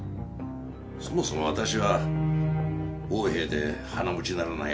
そもそも私は横柄で鼻持ちならない